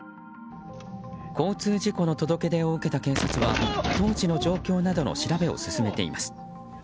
交通事故の届け出を受けた警察は当時の状況などの調べを進めています。